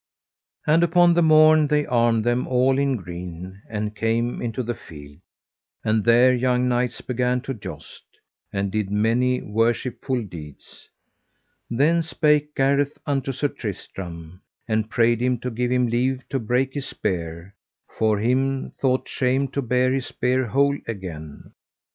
And upon the morn they armed them all in green, and came into the field; and there young knights began to joust, and did many worshipful deeds. Then spake Gareth unto Sir Tristram, and prayed him to give him leave to break his spear, for him thought shame to bear his spear whole again.